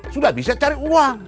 sudah bisa cari uang